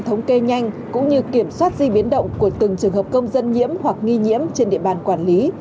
thống kê nhanh cũng như kiểm soát di biến động của từng trường hợp công dân nhiễm hoặc nghi nhiễm trên địa bàn quản lý